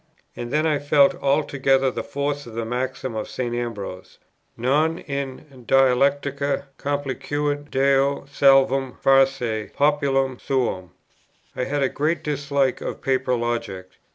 And then I felt altogether the force of the maxim of St. Ambrose, "Non in dialecticâ complacuit Deo salvum facere populum suum;" I had a great dislike of paper logic.